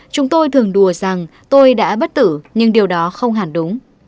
chúng tôi thường đùa rằng tôi đã bất tử nhưng điều đó không hẳn đúng